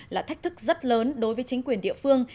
là thách thức rất lớn đối với chính quyền địa phương